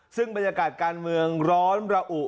ซึ่งบรรยากาศการเมืองร้อนระอุ